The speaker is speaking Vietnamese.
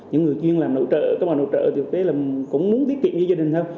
những người chuyên làm nội trợ các bà nội trợ thực tế cũng muốn tiết kiệm cho gia đình thôi